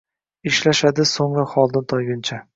Ishlashadi so’ngra holdan toyguncha.